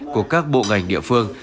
của các bộ ngành địa phương